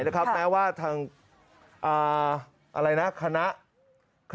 เป็นไปตามความคาดหมายนะครับ